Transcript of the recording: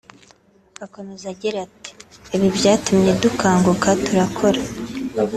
Akomeza agira ati” Ibi byatumye dukanguka turakora